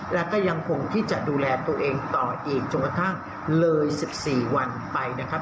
แล้วก็ยังคงที่จะดูแลตัวเองต่ออีกจนกระทั่งเลย๑๔วันไปนะครับ